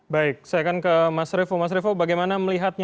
baik saya akan ke mas revo mas revo bagaimana melihatnya